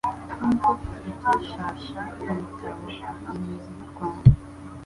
Nk'uko tubikeshasha ibitabo “ Imizi y'u Rwanda